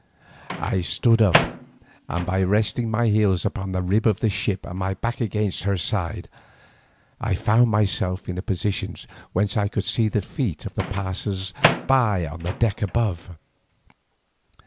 I stood up, and by resting my heels upon a rib of the ship and my back against her side, I found myself in a position whence I could see the feet of the passers by on the deck above.